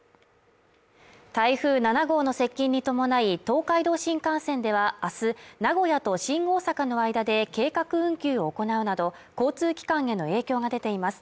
台風７号の接近に伴い東海道新幹線ではあす名古屋と新大阪の間で計画運休を行うなど交通機関への影響が出ています